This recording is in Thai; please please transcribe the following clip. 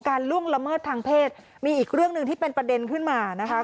ล่วงละเมิดทางเพศมีอีกเรื่องหนึ่งที่เป็นประเด็นขึ้นมานะคะ